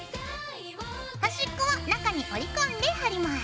端っこは中に折り込んで貼ります。